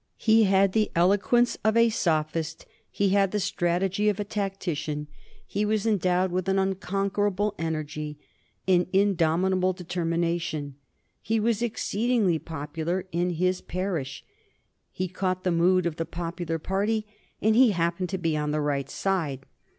He had the eloquence of a sophist; he had the strategy of a tactician; he was endowed with an unconquerable energy, an indomitable determination. He was exceedingly popular in his parish; he caught the mood of the popular party, and he happened to be on the right side.